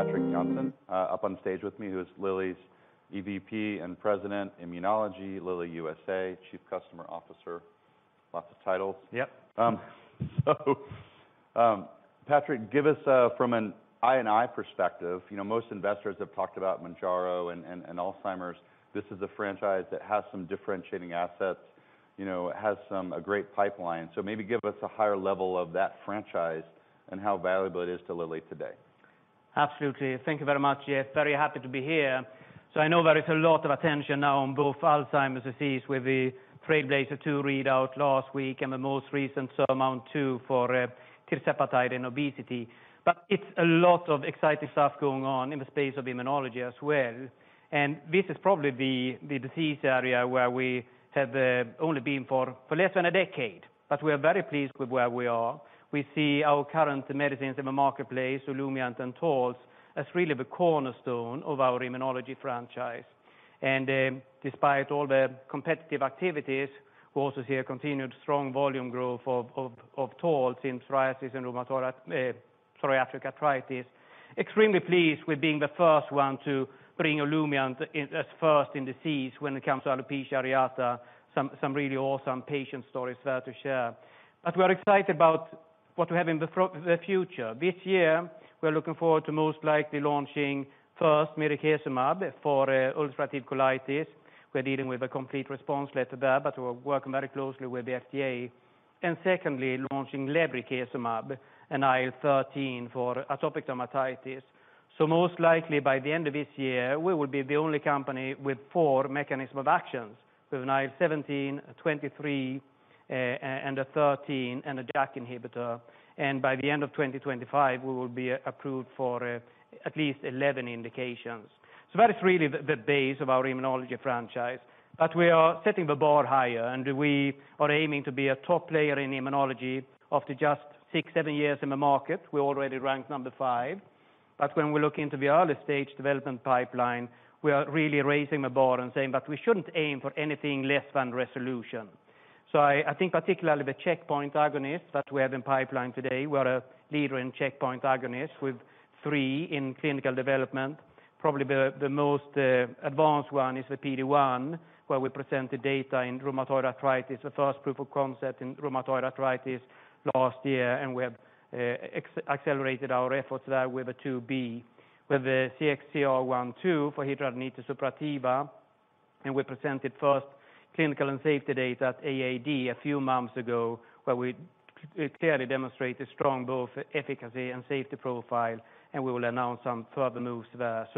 Patrik Jonsson, up on stage with me, who is Lilly's EVP and President, Immunology, Lilly USA, Chief Customer Officer. Lots of titles. Yep. Patrik, give us, from an I&I perspective, you know, most investors have talked about Mounjaro and Alzheimer's. This is a franchise that has some differentiating assets, you know, a great pipeline. Maybe give us a higher level of that franchise and how valuable it is to Lilly today. Absolutely. Thank you very much, Jeff. Very happy to be here. I know there is a lot of attention now on both Alzheimer's disease with the TRAILBLAZER-ALZ 2 readout last week and the most recent SURMOUNT-2 for tirzepatide and obesity. It's a lot of exciting stuff going on in the space of immunology as well. This is probably the disease area where we have only been for less than a decade. We are very pleased with where we are. We see our current medicines in the marketplace, Olumiant and Taltz, as really the cornerstone of our immunology franchise. Despite all the competitive activities, we also see a continued strong volume growth of Taltz in psoriasis and rheumatoid psoriatic arthritis. Extremely pleased with being the first one to bring Olumiant in as first in disease when it comes to alopecia areata. Some really awesome patient stories there to share. We are excited about what we have in the future. This year, we are looking forward to most likely launching first mirikizumab for ulcerative colitis. We're dealing with a Complete Response Letter there, but we're working very closely with the FDA. Secondly, launching lebrikizumab, an IL-13 for atopic dermatitis. Most likely by the end of this year, we will be the only company with four mechanism of actions. With an IL-17, 23, and a 13, and a JAK inhibitor. By the end of 2025, we will be approved for at least 11 indications. That is really the base of our immunology franchise. We are setting the bar higher, and we are aiming to be a top player in immunology. After just six, seven years in the market, we already ranked number five. When we look into the early-stage development pipeline, we are really raising the bar and saying that we shouldn't aim for anything less than resolution. I think particularly the checkpoint agonist that we have in pipeline today, we are a leader in checkpoint agonist with 3 in clinical development. Probably the most advanced one is the PD-1, where we presented data in rheumatoid arthritis, the first proof of concept in rheumatoid arthritis last year. We have accelerated our efforts there with the Phase II b, with the CXCR1/2 for hidradenitis suppurativa. We presented first clinical and safety data at AAD a few months ago, where we clearly demonstrated strong both efficacy and safety profile, and we will announce some further moves there.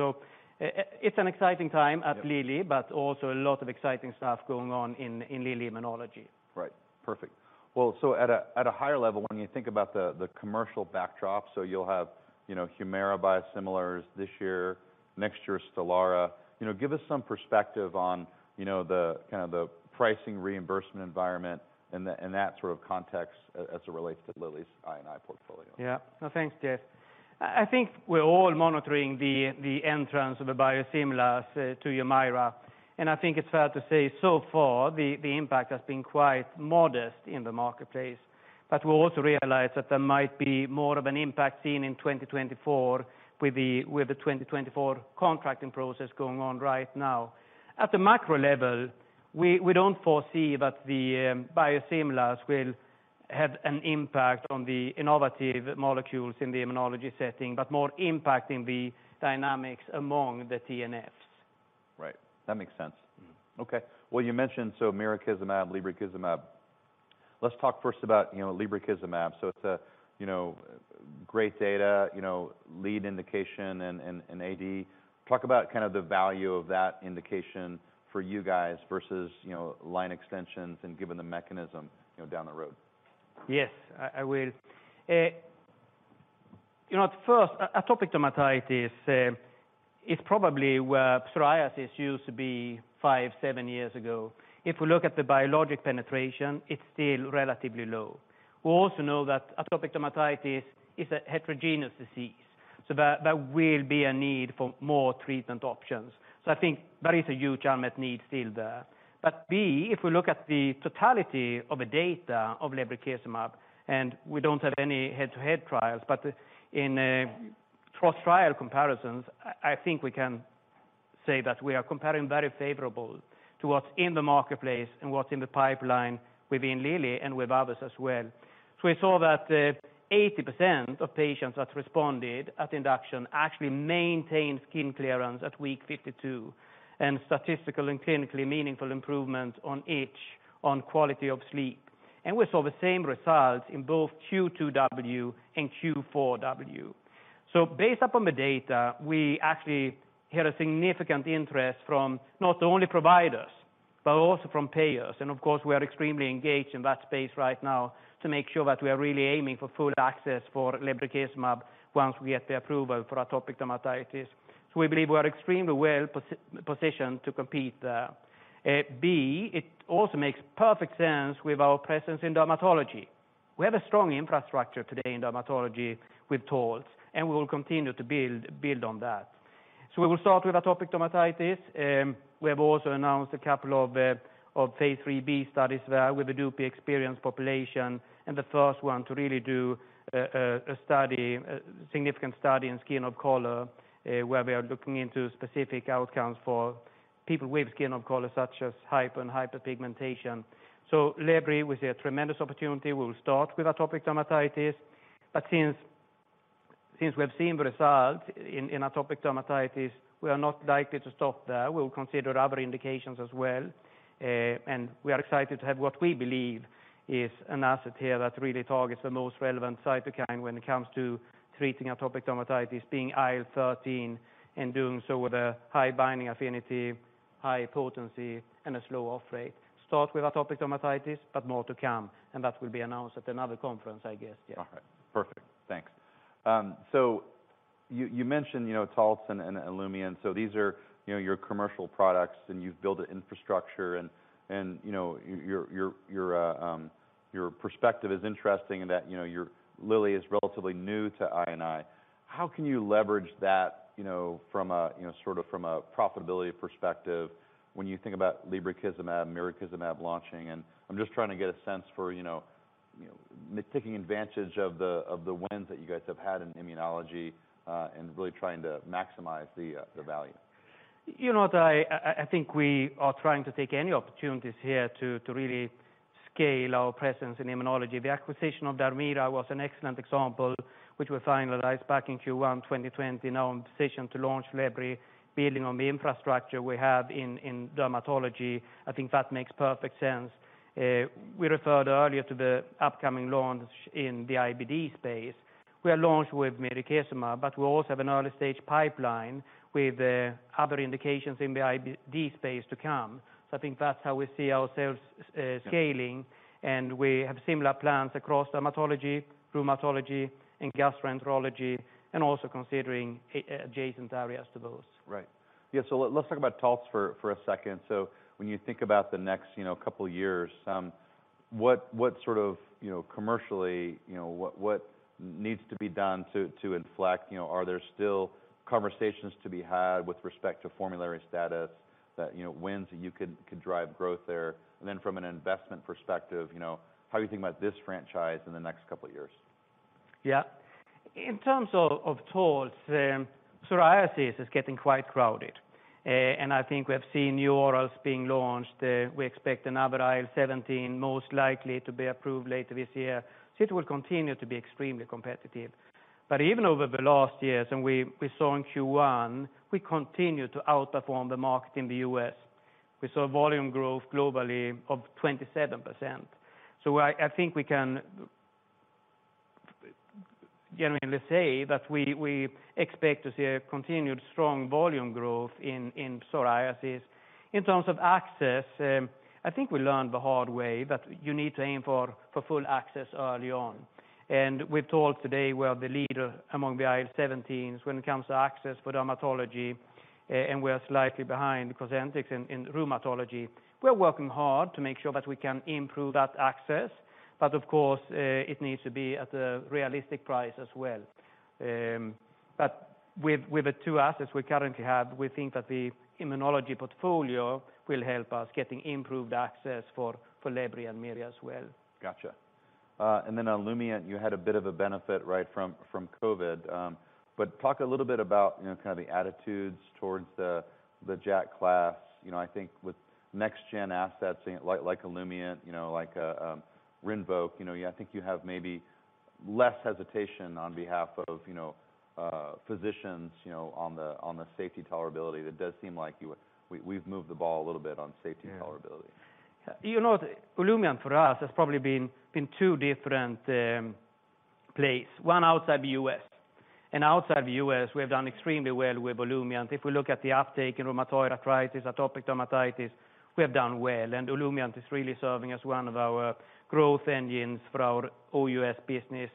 It's an exciting time at Lilly. Yeah. Also a lot of exciting stuff going on in Lilly Immunology. Right. Perfect. Well, at a higher level, when you think about the commercial backdrop, you'll have, you know, Humira biosimilars this year, next year, Stelara. You know, give us some perspective on, you know, the kind of pricing reimbursement environment in that sort of context as it relates to Lilly's I and I portfolio. Yeah. No, thanks, Jeff. I think we're all monitoring the entrance of the biosimilars to Humira, and I think it's fair to say so far, the impact has been quite modest in the marketplace. We also realize that there might be more of an impact seen in 2024 with the 2024 contracting process going on right now. At the macro level, we don't foresee that the biosimilars will have an impact on the innovative molecules in the immunology setting, but more impact in the dynamics among the TNFs. Right. That makes sense. Mm-hmm. Okay. Well, you mentioned so mirikizumab, lebrikizumab. Let's talk first about, you know, lebrikizumab. It's a, you know, great data, you know, lead indication and AD. Talk about kind of the value of that indication for you guys versus, you know, line extensions and given the mechanism, you know, down the road. Yes. I will. You know, at first, atopic dermatitis is probably where psoriasis used to be five, seven years ago. If we look at the biologic penetration, it's still relatively low. We also know that atopic dermatitis is a heterogeneous disease, so there will be a need for more treatment options. I think there is a huge unmet need still there. B, if we look at the totality of the data of lebrikizumab, and we don't have any head-to-head trials, but in cross-trial comparisons, I think we can say that we are comparing very favorable to what's in the marketplace and what's in the pipeline within Lilly and with others as well. We saw that 80% of patients that responded at induction actually maintained skin clearance at week 52, and statistical and clinically meaningful improvements on itch, on quality of sleep. We saw the same results in both Q2W and Q4W. Based upon the data, we actually had a significant interest from not only providers, but also from payers. Of course, we are extremely engaged in that space right now to make sure that we are really aiming for full access for lebrikizumab once we get the approval for atopic dermatitis. We believe we are extremely well positioned to compete there. B, it also makes perfect sense with our presence in dermatology. We have a strong infrastructure today in dermatology with TOLS, and we will continue to build on that. We will start with atopic dermatitis. We have also announced a couple of Phase III b studies there with the DUPI experience population. The first one to really do a study, significant study in skin of color, where we are looking into specific outcomes for people with skin of color such as hyperpigmentation and hypopigmentation. Librey, we see a tremendous opportunity. We'll start with atopic dermatitis. Since we have seen the result in atopic dermatitis, we are not likely to stop there. We'll consider other indications as well. We are excited to have what we believe is an asset here that really targets the most relevant Cytokine when it comes to treating atopic dermatitis, being IL-13, and doing so with a high binding affinity, high potency, and a slow off rate. Start with atopic dermatitis, but more to come, and that will be announced at another conference, I guess. Yeah. All right. Perfect. Thanks. You, you mentioned, you know, Taltz and Olumiant. These are, you know, your commercial products, and you've built an infrastructure and, you know, your, your perspective is interesting in that, you know, Lilly is relatively new to I&I. How can you leverage that, you know, from a, you know, sort of from a profitability perspective when you think about lebrikizumab, mirikizumab launching? I'm just trying to get a sense for, you know, you know, taking advantage of the, of the wins that you guys have had in immunology, and really trying to maximize the value. You know, Jeff, I think we are trying to take any opportunities here to really scale our presence in immunology. The acquisition of Dermira was an excellent example, which was finalized back in Q1 2020. On decision to launch Ebglyss building on the infrastructure we have in dermatology. I think that makes perfect sense. We referred earlier to the upcoming launch in the IBD space. We are launched with mirikizumab, but we also have an early-stage pipeline with other indications in the IBD space to come. I think that's how we see ourselves scaling, and we have similar plans across dermatology, rheumatology, and gastroenterology, and also considering adjacent areas to those. Right. Yeah. Let's talk about Taltz for a second. When you think about the next, you know, couple years, what sort of, you know, commercially, you know, what needs to be done to inflect? You know, are there still conversations to be had with respect to formulary status that, you know, wins that you could drive growth there? From an investment perspective, you know, how are you thinking about this franchise in the next couple of years? Yeah. In terms of Taltz, psoriasis is getting quite crowded. I think we have seen new orals being launched. We expect another IL-17 most likely to be approved later this year. It will continue to be extremely competitive. Even over the last years, we saw in Q1, we continue to outperform the market in the U.S. We saw volume growth globally of 27%. I think we can genuinely say that we expect to see a continued strong volume growth in psoriasis. In terms of access, I think we learned the hard way that you need to aim for full access early on. With Taltz today, we are the leader among the IL-17s when it comes to access for dermatology, and we're slightly behind Cosentyx in rheumatology. We're working hard to make sure that we can improve that access. Of course, it needs to be at a realistic price as well. With the two assets we currently have, we think that the immunology portfolio will help us getting improved access for EBGLYSS and mirikizumab as well. Gotcha. On Olumiant, you had a bit of a benefit right from COVID. Talk a little bit about, you know, kinda the attitudes towards the JAK class. You know, I think with next gen assets, like Olumiant, you know, like Rinvoq, you know, I think you have maybe less hesitation on behalf of, you know, physicians, you know, on the, on the safety tolerability. That does seem like we've moved the ball a little bit on safety tolerability. Yeah. You know, Olumiant for us has probably been two different place. One outside the U.S. Outside the U.S., we have done extremely well with Olumiant. If we look at the uptake in rheumatoid arthritis, atopic dermatitis, we have done well. Olumiant is really serving as one of our growth engines for our OUS business.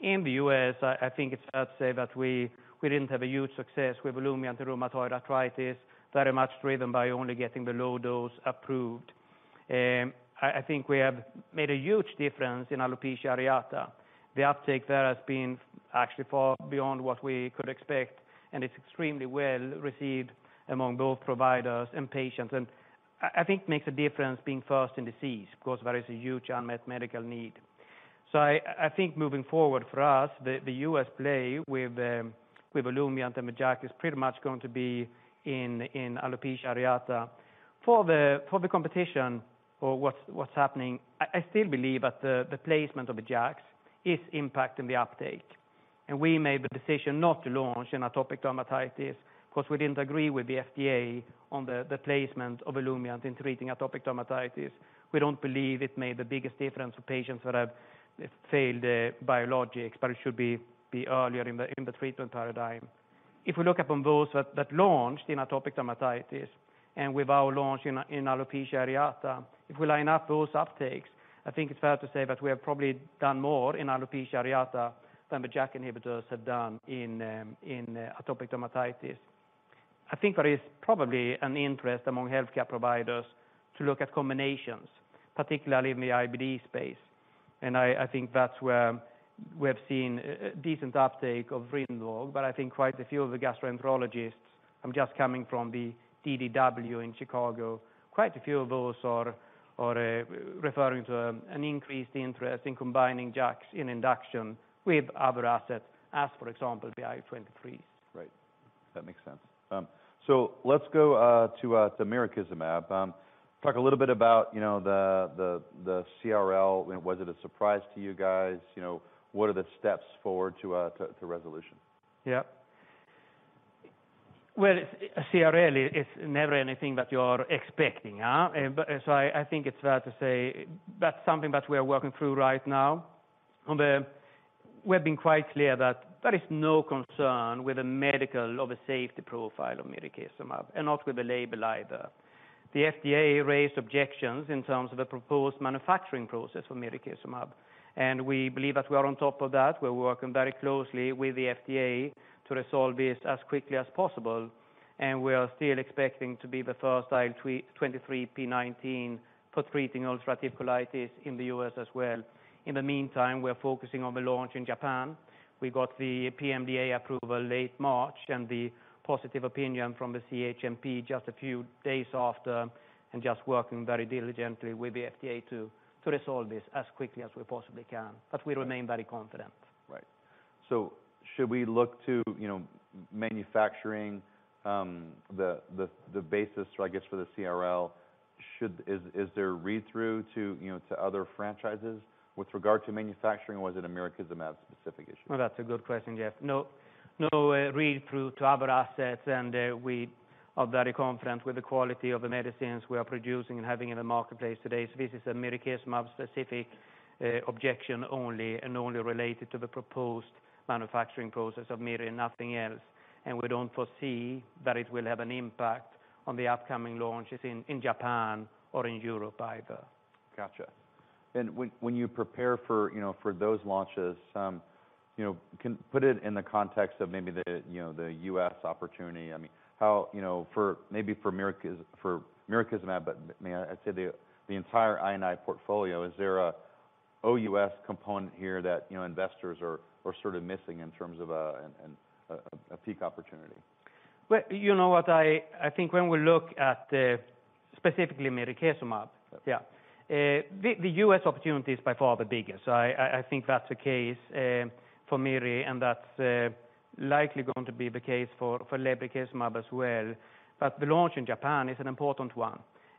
In the U.S., I think it's fair to say that we didn't have a huge success with Olumiant rheumatoid arthritis, very much driven by only getting the low dose approved. I think we have made a huge difference in alopecia areata. The uptake there has been actually far beyond what we could expect, and it's extremely well received among both providers and patients. I think makes a difference being first in disease, of course, there is a huge unmet medical need. I think moving forward for us, the U.S. play with Olumiant and the JAK is pretty much going to be in alopecia areata. For the competition or what's happening, I still believe that the placement of the JAKs is impacting the uptake. We made the decision not to launch an atopic dermatitis because we didn't agree with the FDA on the placement of Olumiant in treating atopic dermatitis. We don't believe it made the biggest difference for patients that have failed biologics, but it should be earlier in the treatment paradigm. If we look upon those that launched in atopic dermatitis and with our launch in alopecia areata, if we line up those uptakes, I think it's fair to say that we have probably done more in alopecia areata than the JAK inhibitors have done in atopic dermatitis. I think there is probably an interest among healthcare providers to look at combinations, particularly in the IBD space. I think that's where we have seen a decent uptake of Rinvoq, but I think quite a few of the gastroenterologists, I'm just coming from the DDW in Chicago, quite a few of those are referring to an increased interest in combining JAK in induction with other assets, as, for example, the IL-23s. Right. That makes sense. Let's go to mirikizumab. Talk a little bit about, you know, the CRL. Was it a surprise to you guys? You know, what are the steps forward to resolution? Yeah. Well, a CRL is never anything that you're expecting. I think it's fair to say that's something that we are working through right now. We've been quite clear that there is no concern with the medical or the safety profile of mirikizumab, and not with the label either. The FDA raised objections in terms of the proposed manufacturing process for mirikizumab, and we believe that we are on top of that. We're working very closely with the FDA to resolve this as quickly as possible, and we are still expecting to be the first IL-23p19 for treating ulcerative colitis in the U.S. as well. In the meantime, we're focusing on the launch in Japan. We got the PMDA approval late March and the positive opinion from the CHMP just a few days after, and just working very diligently with the FDA to resolve this as quickly as we possibly can. We remain very confident. Right. Should we look to, you know, manufacturing, the basis, I guess, for the CRL? Is there a read-through to, you know, to other franchises with regard to manufacturing, or was it a mirikizumab-specific issue? Well, that's a good question, Jeff. No, no read-through to other assets, and we are very confident with the quality of the medicines we are producing and having in the marketplace today. This is a mirikizumab-specific objection only, and only related to the proposed manufacturing process of miri, nothing else. We don't foresee that it will have an impact on the upcoming launches in Japan or in Europe either. Gotcha. When, when you prepare for, you know, for those launches, you know, Put it in the context of maybe the, you know, the U.S. opportunity. I mean, how, you know, for maybe for mirikizumab, but may I say the entire I&I portfolio, is there a OUS component here that, you know, investors are sort of missing in terms of a peak opportunity? Well, you know what? I think when we look at specifically mirikizumab- Yeah. Yeah. The US opportunity is by far the biggest. I think that's the case for miri, and that's likely going to be the case for lebrikizumab as well. The launch in Japan is an important one.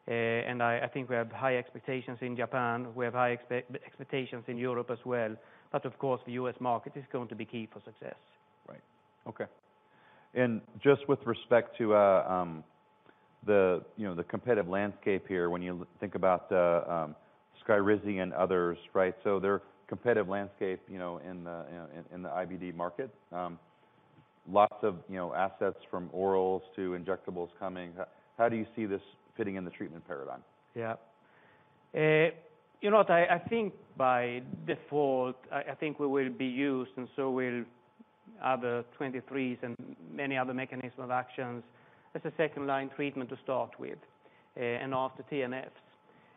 I think we have high expectations in Japan. We have high expectations in Europe as well. Of course, the U.S. market is going to be key for success. Right. Okay. Just with respect to, the, you know, the competitive landscape here, when you think about Skyrizi and others, right? Their competitive landscape, you know, in the IBD market, lots of, you know, assets from orals to injectables coming. How do you see this fitting in the treatment paradigm? You know what? I think by default, I think we will be used and so will other 23s and many other mechanism of actions as a second line treatment to start with, and after TNFs.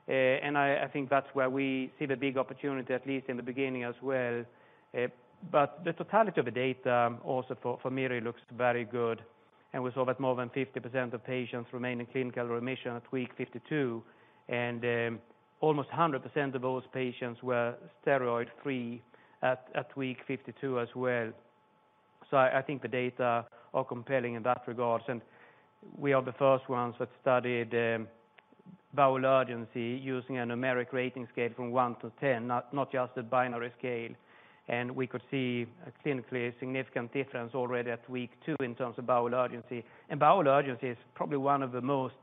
I think that's where we see the big opportunity, at least in the beginning as well. The totality of the data also for miri looks very good, and we saw that more than 50% of patients remain in clinical remission at week 52, and almost 100% of those patients were steroid-free at week 52 as well. I think the data are compelling in that regards, and we are the first ones that studied bowel urgency using a numeric rating scale from one to 10, not just a binary scale. We could see a clinically significant difference already at week two in terms of bowel urgency. Bowel urgency is probably one of the most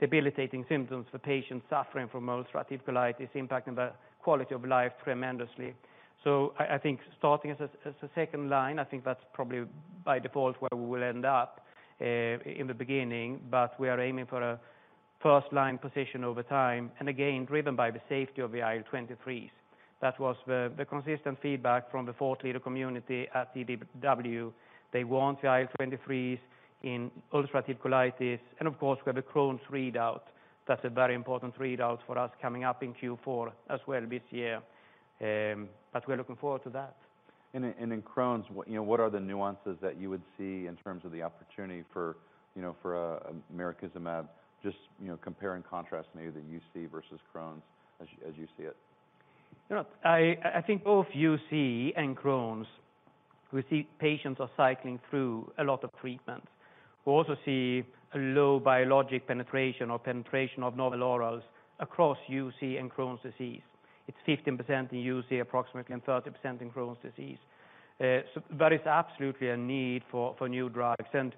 debilitating symptoms for patients suffering from ulcerative colitis, impacting the quality of life tremendously. I think starting as a second line, I think that's probably by default where we will end up in the beginning. We are aiming for a first-line position over time, again, driven by the safety of the IL-23s. That was the consistent feedback from the four leader community at DDW. They want the IL-23s in ulcerative colitis. Of course, we have the Crohn's readout. That's a very important readout for us coming up in Q4 as well this year. We're looking forward to that. In Crohn's, what, you know, what are the nuances that you would see in terms of the opportunity for, you know, for mirikizumab, just, you know, compare and contrast maybe the UC versus Crohn's as you, as you see it? You know what? I think both UC and Crohn's, we see patients are cycling through a lot of treatment. We also see a low biologic penetration or penetration of novel orals across UC and Crohn's disease. It's 15% in UC, approximately, and 30% in Crohn's disease. There is absolutely a need for new drugs. And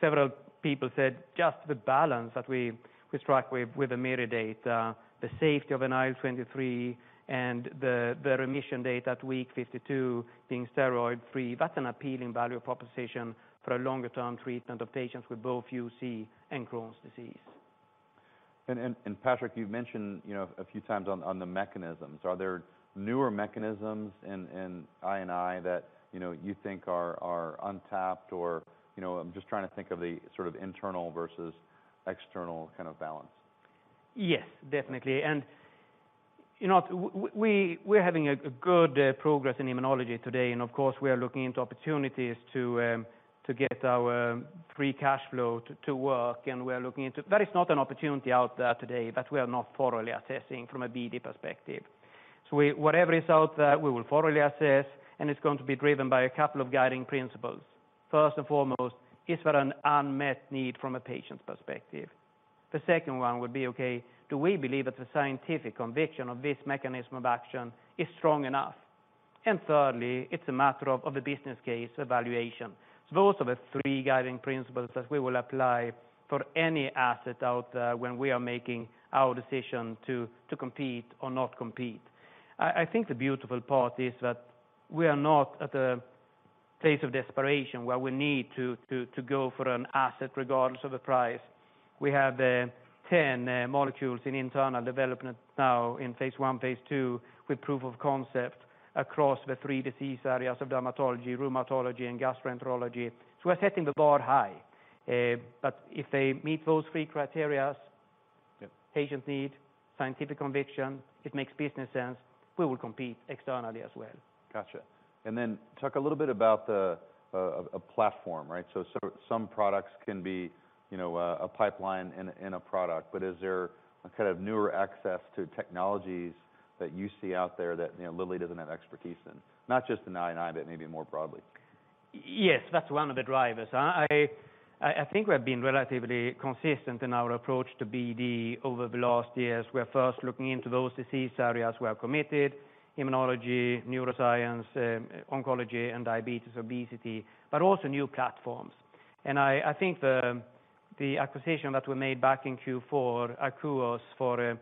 several people said just the balance that we strike with the miri data, the safety of an IL-23 and the remission date at week 52 being steroid-free, that's an appealing value proposition for a longer-term treatment of patients with both UC and Crohn's disease. Patrik, you've mentioned, you know, a few times on the mechanisms. Are there newer mechanisms in I&I that, you know, you think are untapped or, you know, I'm just trying to think of the sort of internal versus external kind of balance. Yes, definitely. You know, we're having a good progress in immunology today. Of course, we are looking into opportunities to get our free cash flow to work. We are looking into... There is not an opportunity out there today that we are not thoroughly assessing from a BD perspective. Whatever is out there, we will thoroughly assess, and it's going to be driven by a couple of guiding principles. First and foremost, is there an unmet need from a patient's perspective? The second one would be, okay, do we believe that the scientific conviction of this mechanism of action is strong enough? Thirdly, it's a matter of the business case evaluation. Those are the 3 guiding principles that we will apply for any asset out there when we are making our decision to compete or not compete. I think the beautiful part is that we are not at a place of desperation where we need to go for an asset regardless of the price. We have 10 molecules in internal development now in phase I, phase II, with proof of concept across the three disease areas of dermatology, rheumatology, and gastroenterology. We're setting the bar high. If they meet those three criterias. Yep. Patient need, scientific conviction, it makes business sense, we will compete externally as well. Gotcha. Talk a little bit about the a platform, right? Some products can be, you know, a pipeline and a, and a product. Is there a kind of newer access to technologies that you see out there that, you know, Lilly doesn't have expertise in? Not just in I&I, but maybe more broadly. Yes, that's one of the drivers. I think we have been relatively consistent in our approach to BD over the last years. We're first looking into those disease areas we are committed, immunology, neuroscience, oncology and diabetes, obesity, but also new platforms. I think the acquisition that we made back in Q4, Akouos for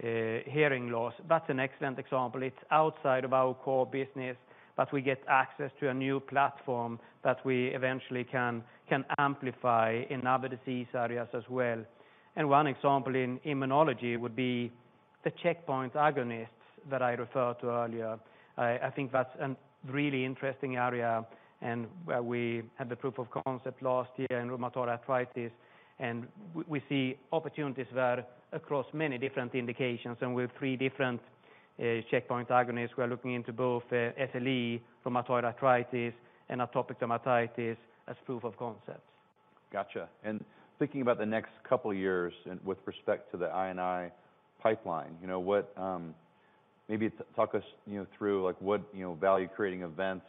hearing loss, that's an excellent example. It's outside of our core business, but we get access to a new platform that we eventually can amplify in other disease areas as well. One example in immunology would be the checkpoint agonists that I referred to earlier. I think that's an really interesting area and where we had the proof of concept last year in rheumatoid arthritis. We see opportunities there across many different indications and with three different checkpoint agonists. We are looking into both, SLE, rheumatoid arthritis, and atopic dermatitis as proof of concepts. Gotcha. Thinking about the next couple of years and with respect to the I&I pipeline, you know, what, maybe talk us, you know, through, like, what, you know, value-creating events,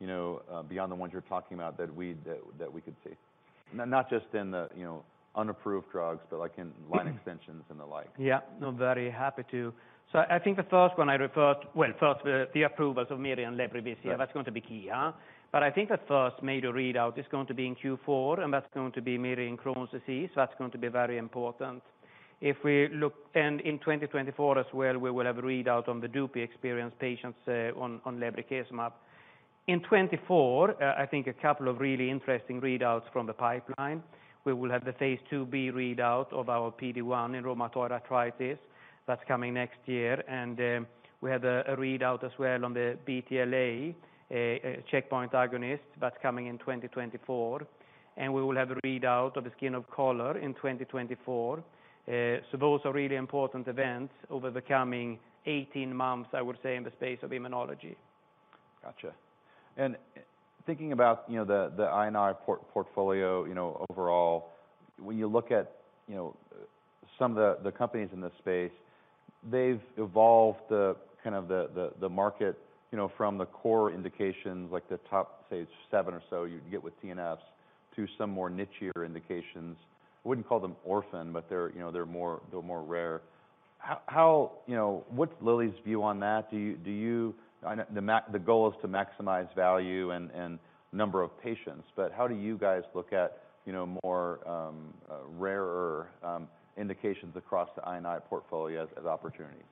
you know, beyond the ones you're talking about that we'd that we could see? Not just in the, you know, unapproved drugs, but like in line extensions and the like. Yeah. No, very happy to. First the approvals of Omvoh and lebrikizumab Yeah. That's going to be key, huh? I think the first major readout is going to be in Q4. That's going to be mirikizumab in Crohn's disease. That's going to be very important. If we look... In 2024 as well, we will have a readout on the DUPI experience patients on lebrikizumab. In 2024, I think a couple of really interesting readouts from the pipeline. We will have the phase II b readout of our PD-1 in rheumatoid arthritis. That's coming next year. We have a readout as well on the BTLA checkpoint agonist. That's coming in 2024. We will have a readout of the skin of color in 2024. Those are really important events over the coming 18 months, I would say, in the space of immunology. Gotcha. Thinking about, you know, the I&I portfolio, you know, overall, when you look at, you know, some of the companies in this space, they've evolved the kind of the market, you know, from the core indications like the top, say seven or so you'd get with TNFs, to some more nichier indications. I wouldn't call them orphan, but they're, you know, they're more rare. How, you know, what's Lilly's view on that? Do you... I know the goal is to maximize value and number of patients, but how do you guys look at, you know, more rarer indications across the I&I portfolio as opportunities?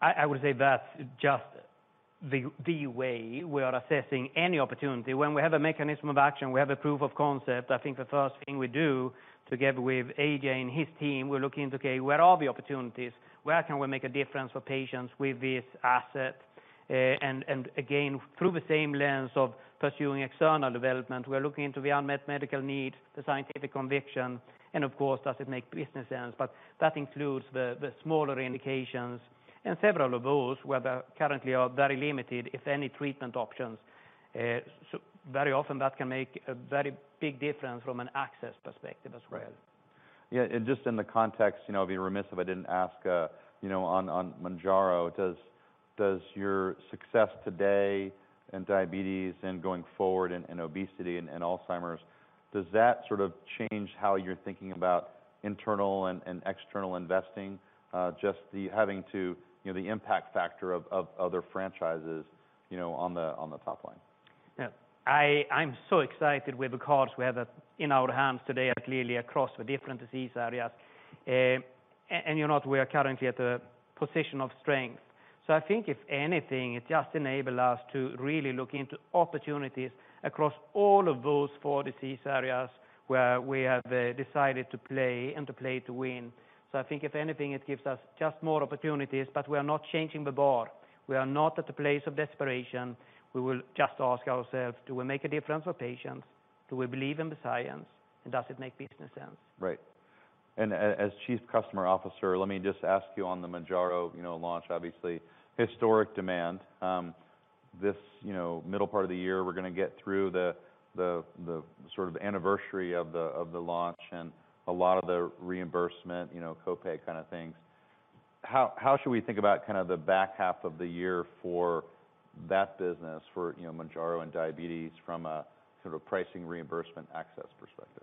I would say that's just the way we are assessing any opportunity. When we have a mechanism of action, we have a proof of concept, I think the first thing we do, together with AJ and his team, we're looking into, okay, where are the opportunities? Where can we make a difference for patients with this asset? Again, through the same lens of pursuing external development, we are looking into the unmet medical need, the scientific conviction, and of course, does it make business sense? That includes the smaller indications and several of those where there currently are very limited, if any, treatment options. Very often that can make a very big difference from an access perspective as well. Right. Just in the context, you know, it'd be remiss if I didn't ask, you know, on Mounjaro, does your success today in diabetes and going forward in obesity and Alzheimer's, does that sort of change how you're thinking about internal and external investing? Just the having to, you know, the impact factor of other franchises, you know, on the top line. Yeah. I'm so excited with the cards we have in our hands today at Lilly across the different disease areas. you know, we are currently at a position of strength. I think if anything, it just enable us to really look into opportunities across all of those four disease areas where we have decided to play and to play to win. I think if anything, it gives us just more opportunities. We are not changing the bar. We are not at the place of desperation. We will just ask ourselves, do we make a difference for patients? Do we believe in the science? Does it make business sense? Right. As Chief Customer Officer, let me just ask you on the Mounjaro, you know, launch, obviously historic demand. This, you know, middle part of the year, we're gonna get through the sort of anniversary of the launch and a lot of the reimbursement, you know, copay kind of things. How should we think about kind of the back half of the year for that business for, you know, Mounjaro and diabetes from a sort of pricing reimbursement access perspective?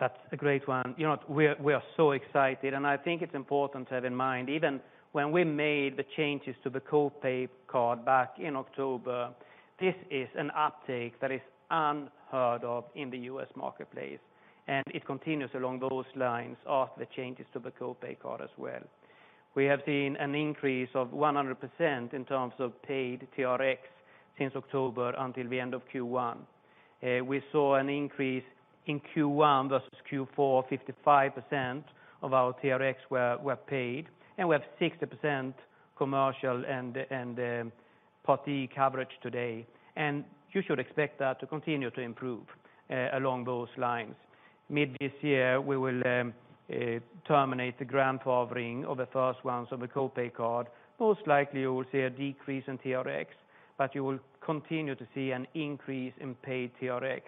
That's a great one. You know, we are so excited, I think it's important to have in mind, even when we made the changes to the co-pay card back in October, this is an uptake that is unheard of in the U.S. marketplace. It continues along those lines of the changes to the co-pay card as well. We have seen an increase of 100% in terms of paid TRX since October until the end of Q1. We saw an increase in Q1 versus Q4, 55% of our TRX were paid. We have 60% commercial and Part D coverage today. You should expect that to continue to improve along those lines. Mid this year, we will terminate the grant offering of the first rounds of the co-pay card. Most likely, you will see a decrease in TRX, but you will continue to see an increase in paid TRX.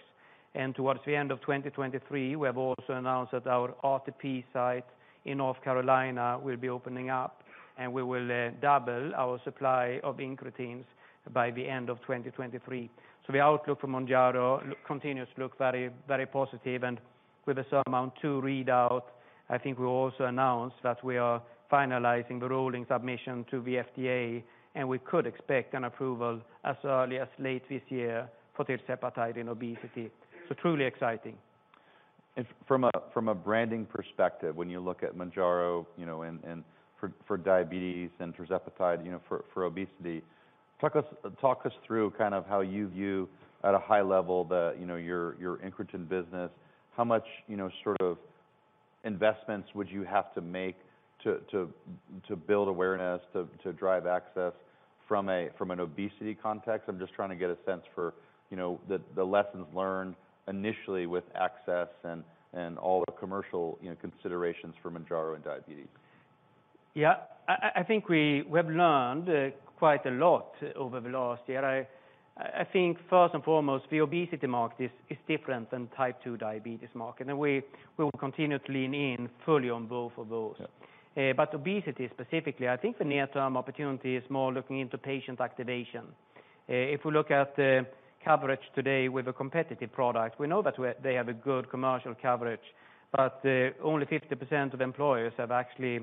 Towards the end of 2023, we have also announced that our RTP site in North Carolina will be opening up, and we will double our supply of incretins by the end of 2023. The outlook for Mounjaro continues to look very, very positive. With the SURMOUNT-2 readout, I think we also announced that we are finalizing the rolling submission to the FDA, and we could expect an approval as early as late this year for tirzepatide in obesity. Truly exciting. From a branding perspective, when you look at Mounjaro, you know, and for diabetes and tirzepatide, you know, for obesity. Talk us through kind of how you view at a high level the, you know, your incretin business. How much, you know, sort of investments would you have to make to build awareness, to drive access from an obesity context? I'm just trying to get a sense for, you know, the lessons learned initially with access and all the commercial, you know, considerations for Mounjaro and diabetes? Yeah. I think we have learned quite a lot over the last year. I think first and foremost, the obesity market is different than type 2 diabetes market. In a way, we will continue to lean in fully on both of those. Yeah. Obesity specifically, I think the near-term opportunity is more looking into patient activation. If we look at the coverage today with a competitive product, we know that they have a good commercial coverage, but only 50% of employers have actually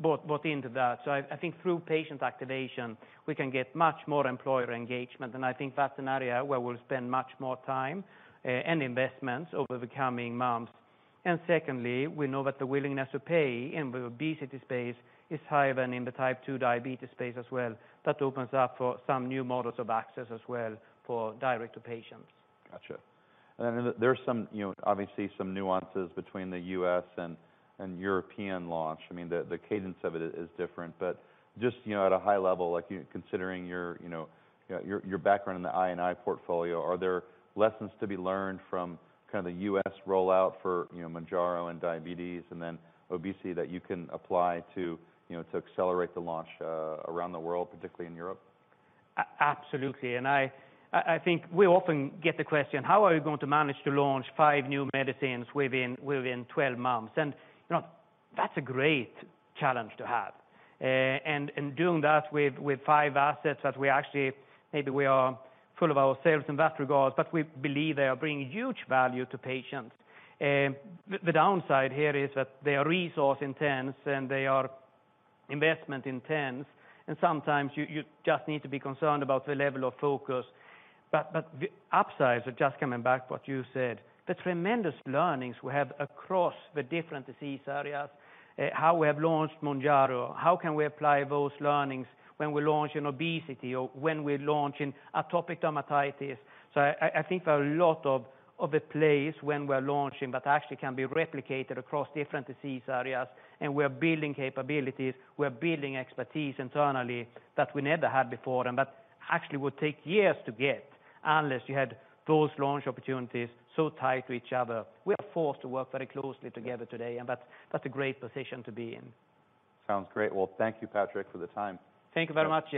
bought into that. I think through patient activation, we can get much more employer engagement, and I think that's an area where we'll spend much more time and investments over the coming months. Secondly, we know that the willingness to pay in the obesity space is higher than in the type 2 diabetes space as well. That opens up for some new models of access as well for direct to patients. Gotcha. There's some, you know, obviously some nuances between the U.S. and European launch. I mean, the cadence of it is different. Just, you know, at a high level, like considering your, you know, your background in the I&I portfolio, are there lessons to be learned from kind of the U.S. rollout for, you know, Mounjaro and diabetes and then obesity that you can apply to, you know, to accelerate the launch around the world, particularly in Europe? Absolutely. I think we often get the question, "How are you going to manage to launch five new medicines within 12 months?" You know, that's a great challenge to have, doing that with five assets that we actually maybe we are full of ourselves in that regard, but we believe they are bringing huge value to patients. The downside here is that they are resource intense, and they are investment intense. Sometimes you just need to be concerned about the level of focus. The upsides are just coming back to what you said. The tremendous learnings we have across the different disease areas, how we have launched Mounjaro, how can we apply those learnings when we launch in obesity or when we launch in atopic dermatitis. I think there are a lot of a place when we're launching that actually can be replicated across different disease areas, and we're building capabilities, we're building expertise internally that we never had before, and that actually would take years to get, unless you had those launch opportunities so tied to each other. We are forced to work very closely together today, and that's a great position to be in. Sounds great. Well, thank you, Patrik, for the time. Thank you very much, Jeff.